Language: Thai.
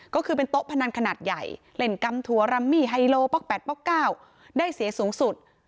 ก็คือเป็นโต๊ะพนันขนาดใหญ่เล่นกำถั่วรัมมี่ไฮโลป๊อก๘ป๊อก๙ได้เสียสูงสุด